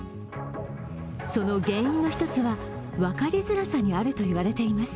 その原因の１つは、分かりづらさにあるといわれています。